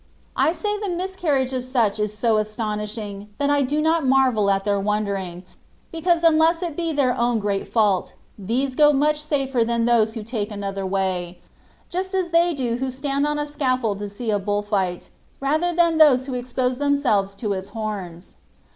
I say the mis carriage of such is so astonishing, that I do not marvel at their wondering, because unless it be their own great fault, these go much safer than those who take another way ; just as they do who stand on a scaffold to see a bull fight, rather than those who expose themselves to its horns.